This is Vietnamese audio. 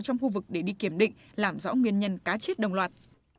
trong khu vực để đi kiểm định làm rõ nguyên nhân cá chết đồng loạt